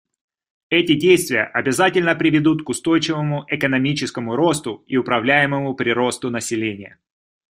Эти действия обязательно приведут к устойчивому экономическому росту и управляемому приросту населения.